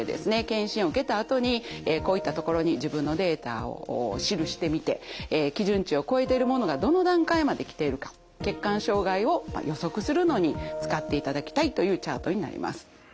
健診を受けたあとにこういったところに自分のデータを記してみて基準値を超えてるものがどの段階まで来ているか血管障害を予測するのに使っていただきたいというチャートになります。